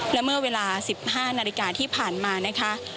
และเมื่อเวลา๑๕นาฬิกาที่ผ่านมานะคะ